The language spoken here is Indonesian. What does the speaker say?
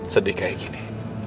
sedih kayak gini